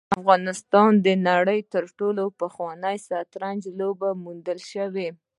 افغانستان د نړۍ تر ټولو پخوانی د شطرنج لوبه موندل شوې